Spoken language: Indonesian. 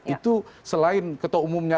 itu selain ketua umumnya